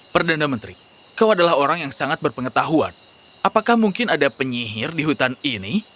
perdana menteri kau adalah orang yang sangat berpengetahuan apakah mungkin ada penyihir di hutan ini